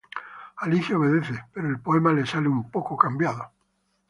Alicia obedece, pero el poema le sale un poco cambiado.